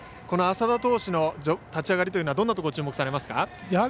この麻田投手の立ち上がりはどんなところに注目されますか？